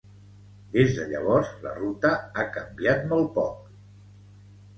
Des de llavors, la ruta ha canviat molt poc.